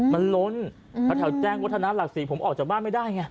มันล้นแถวแจ้งวัฒนาหลักศรีผมออกจากบ้านไม่ได้ไง